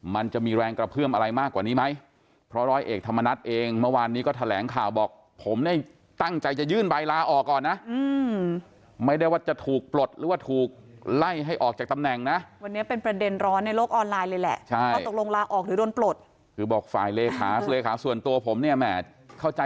เมื่อวานนี้ก็แถลงข่าวบอกผมตั้งใจจะยื่นใบลาออกก่อนนะ